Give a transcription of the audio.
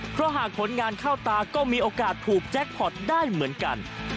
เพราะหากผลงานเข้าตาก็มีโอกาสถูกแจ็คพอร์ตได้เหมือนกัน